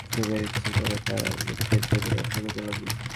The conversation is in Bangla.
ঘুমের ইচ্ছে করে তারা লেপের জন্য পরামর্শ করতে লাগল।